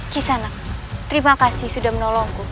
kisana terima kasih sudah menolongku